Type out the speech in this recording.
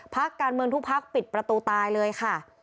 พักการเมืองทุกพักปิดประตูตายเลยค่ะ